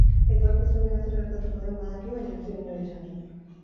Etorkizunean zer gertatuko den badaki, baina ez dio inori esaten.